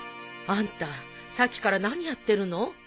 あんたさっきから何やってるの？